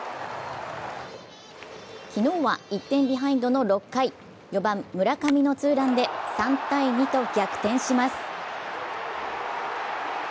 昨日は１点ビハインドの６回４番・村上のツーランで３−２と逆転します。